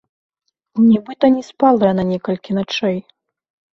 Нібыта не спала яна некалькі начэй.